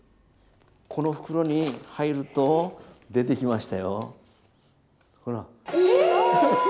この袋に入ると出てきましたよ。